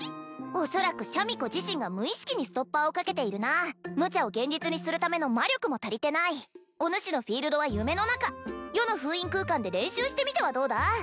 恐らくシャミ子自身が無意識にストッパーをかけているなムチャを現実にするための魔力も足りてないおぬしのフィールドは夢の中余の封印空間で練習してみてはどうだ？